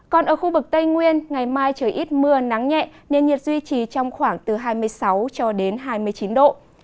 còn ở khu vực tây nguyên ngày mai trời ít mưa nắng nhẹ nên nhiệt duy trì trong khoảng từ hai mươi sáu cho đến hai mươi chín độ